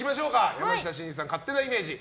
山下真司さんの勝手なイメージ。